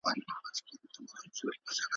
بیا به ګورو چي ستانه سي پخواني زاړه وختونه `